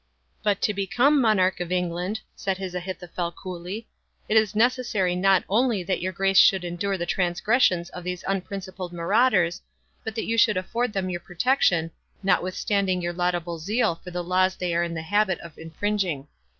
"But to become monarch of England," said his Ahithophel coolly, "it is necessary not only that your Grace should endure the transgressions of these unprincipled marauders, but that you should afford them your protection, notwithstanding your laudable zeal for the laws they are in the habit of infringing.